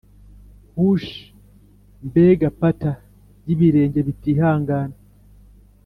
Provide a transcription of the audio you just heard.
hush! mbega patter y'ibirenge bitihangana